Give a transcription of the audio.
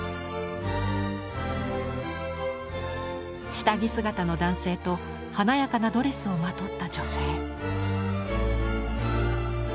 下着姿の男性と華やかなドレスをまとった女性。